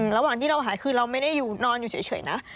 ระหว่างที่เราหายคือเราไม่ได้นอนอยู่เฉยนะ